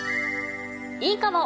いいかも！